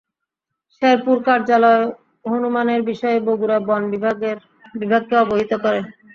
শেরপুর কার্যালয় হনুমানের বিষয়ে বগুড়া বন বিভাগকে অবহিত করে।